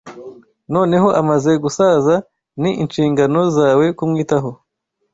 Noneho amaze gusaza, ni inshingano zawe kumwitaho.